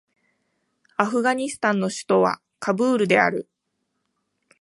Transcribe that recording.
アフガニスタンの首都はカブールである